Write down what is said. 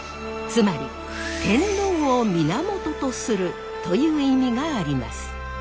つまり天皇を源とするという意味があります。